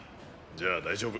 じゃ大丈夫。